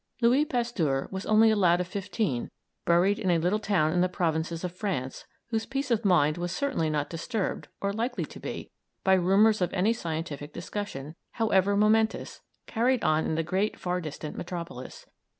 Louis Pasteur was only a lad of fifteen, buried in a little town in the provinces of France, whose peace of mind was certainly not disturbed, or likely to be, by rumours of any scientific discussion, however momentous, carried on in the great, far distant metropolis.